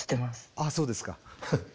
ああそうですか。